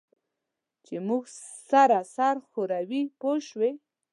چې زموږ سره سر ښوروي پوه شوې!.